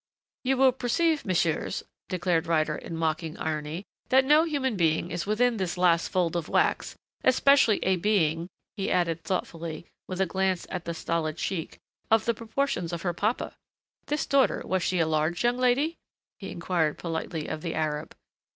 "You will perceive, messieurs," declared Ryder in mocking irony, "that no human being is within this last fold of wax especially a being," he added thoughtfully with a glance at the stolid sheik, "of the proportions of her papa.... This daughter, was she a large young lady?" he inquired politely of the Arab.